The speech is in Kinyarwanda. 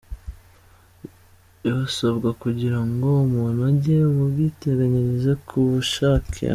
Ibisabwa kugira ngo umuntu ajye mu bwiteganyirize ku bushake .